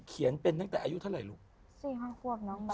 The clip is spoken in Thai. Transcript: เขียนเป็นตั้งแต่อายุเท่าไหร่ลูกสี่ห้าขวบน้องมา